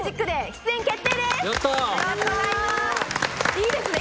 いいですね